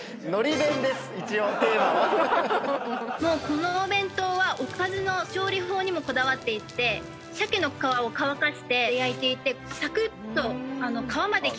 このお弁当はおかずの調理法にもこだわっていて鮭の皮を乾かして焼いていてサクッと。